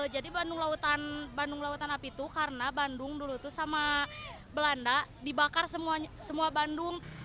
jadi bandung lautan api tuh karena bandung dulu tuh sama belanda dibakar semua bandung